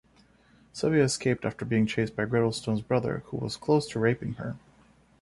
Sylvia escaped after being chased by Gridlestone's brother, who was close to raping her.